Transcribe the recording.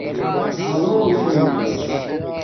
بلݽنݣ